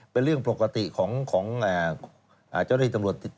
เป็นเรื่องปกติของเจ้าหน้าที่ตำรวจ